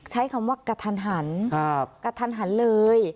ใช้คำว่ากระทันหันกระทันหันเลย